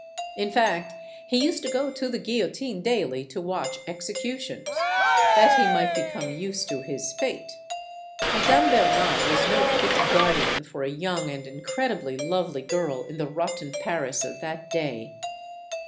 In fact he used to go to the guillotine daily to watch executions, "that he might become used to his fate." Madame Benard 234 STORIES OF THE SUPER WOMEN was no fit guardian for a young and incredibly lovely girl in the rotten Paris of that day.